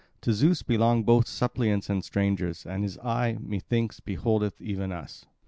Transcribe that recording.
To Zeus belong both suppliants and strangers; and his eye, methinks, beholdeth even us."